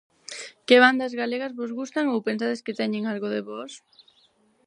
Que bandas galegas vos gustan ou pensades que teñen algo de vós?